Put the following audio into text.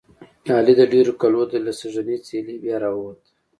علي د ډېرو کلو دی. له سږنۍ څېلې بیا را ووت.